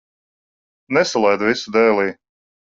Nesalaid visu dēlī.